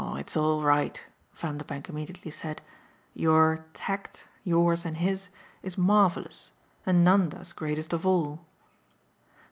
"Oh it's all right," Vanderbank immediately said. "Your 'tact' yours and his is marvellous, and Nanda's greatest of all."